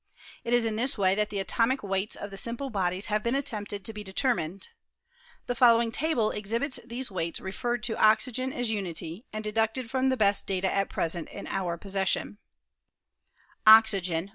It Is in this way that the atomic weights of the simple bodies have been attempted to be determined. The folbw ing table exhibits these weights referred to oxygen as unity, and deduced from the best data at present in our possession : Oxygen